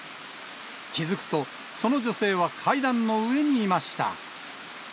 気付くと、その女性は階段の上にいました。